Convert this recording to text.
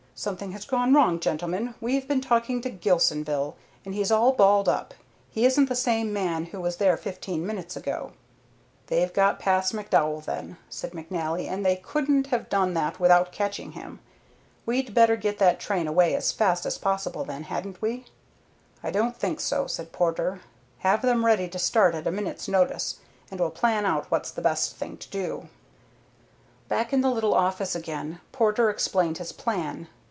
"Something has gone wrong, gentlemen. We've been talking to Gilsonville and he's all balled up. He isn't the same man who was there fifteen minutes ago." "They've got past McDowell then," said McNally. "And they couldn't have done that without catching him. We'd better get that train away as fast as possible then, hadn't we?" "I don't think so," said Porter. "Have them ready to start at a minute's notice, and we'll plan out what's the best thing to do." Back in the little office again Porter explained his plan.